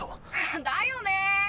だよね！